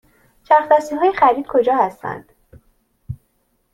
چرخ دستی های خرید کجا هستند؟